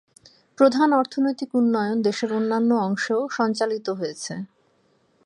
প্রধান অর্থনৈতিক উন্নয়ন দেশের অন্যান্য অংশেও সঞ্চালিত হয়েছে।